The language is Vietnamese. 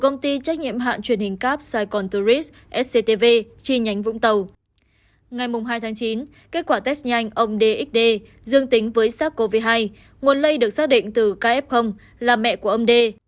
ngày hai tháng chín kết quả test nhanh ông dxd dương tính với sars cov hai nguồn lây được xác định từ kf là mẹ của ông đê